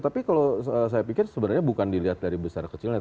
tapi kalau saya pikir sebenarnya bukan dilihat dari besar kecilnya